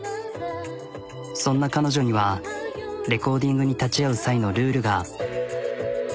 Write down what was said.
そんな彼女にはレコーディングに立ち会う際のルールが。